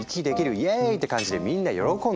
イェーイ！」って感じでみんな喜んだの。